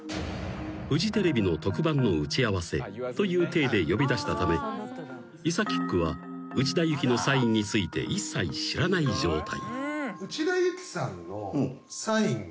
［フジテレビの特番の打ち合わせという体で呼び出したためＩＳＡＫＩＣＫは内田有紀のサインについて一切知らない状態］